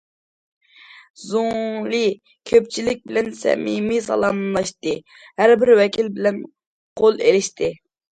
زۇڭلى كۆپچىلىك بىلەن سەمىمىي سالاملاشتى، ھەربىر ۋەكىل بىلەن قول ئېلىشتى.